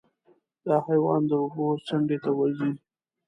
دا حیوان د اوبو څنډې ته ورځي.